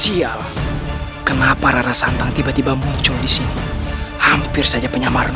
siap kenapa rara santang tiba tiba muncul disini hampir saja penyamaran